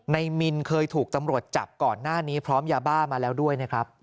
มินเคยถูกตำรวจจับก่อนหน้านี้พร้อมยาบ้ามาแล้วด้วยนะครับ